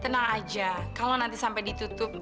tenang aja kalau nanti sampai ditutup